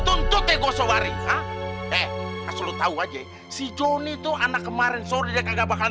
tuntut deh gue sobari ha eh kasih lo tau aja si johnny tuh anak kemarin suruh dia kagak bakalan